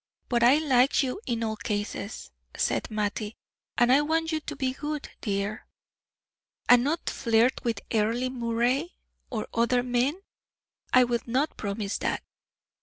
But I like you in all cases," said Mattie. "And I want you to be good, dear." "And not flirt with Earle Moray? Or other men? I'll not promise that.